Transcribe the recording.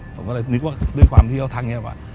ผมก็เลยนึกว่าด้วยความที่เขาทักนี้หรือเปล่า